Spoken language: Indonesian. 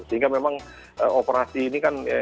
sehingga memang operasi ini kan